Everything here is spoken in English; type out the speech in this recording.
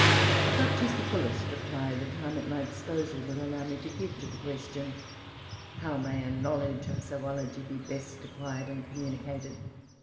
Such is the fullest reply the time at my disposal will allow me to give to the question how may a knowledge of zoology be best acquired and communicated?